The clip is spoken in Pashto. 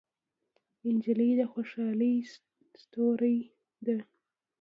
نجلۍ د خوشحالۍ ستورې ده.